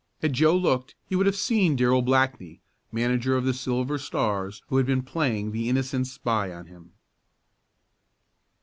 Had Joe looked he would have seen Darrell Blackney, manager of the Silver Stars, who had been playing the innocent spy on him.